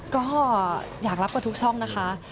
ก็อยากรับกว่าทุกช่องนะคะ